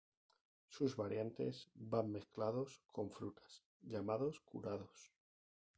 Sus variantes van mezclados con frutas, llamados "curados".